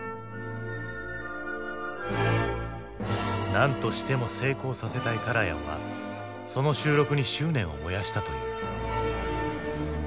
何としても成功させたいカラヤンはその収録に執念を燃やしたという。